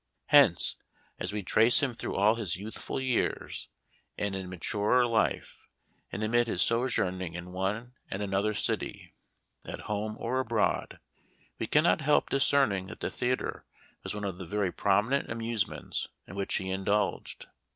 Hence, as we trace him through all his youthful years, and in maturer life, and amid his sojourn ings in one and another city, at home or abroad, we cannot help discerning that the theater was one of the very prominent amusements in which he indulged.